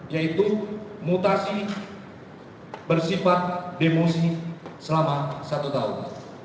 yaitu mutasi bersifat demosi selama satu tahun